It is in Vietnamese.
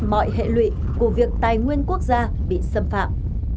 mọi hệ lụy của việc tài nguyên quốc gia bị xâm phạm